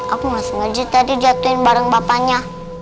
aku gak sengaja tadi jatuhin bareng bapaknya